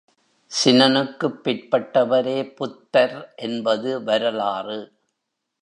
சினனுக்குப் பிற்பட்டவரே புத்தர் என்பது வரலாறு.